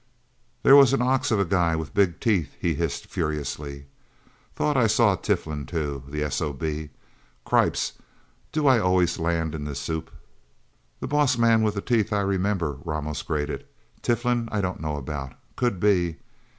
"There was an ox of a guy with big teeth!" he hissed furiously. "Thought I saw Tiflin, too the S.O.B.! Cripes, do I always land in the soup?" "The bossman with the teeth, I remember," Ramos grated. "Tiflin I don't know about. Could be...